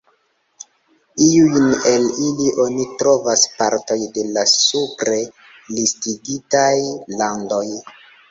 Iujn el ili oni trovas partoj de la supre listigitaj landoj.